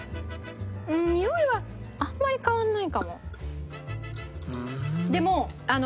うーんにおいはあんまり変わらないかも。